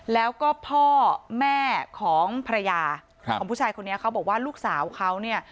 แล้วก็พ่อแม่ของภรรยาของผู้ชายคนนี้เขาบอกว่าลูกสาวเขาเนี่ย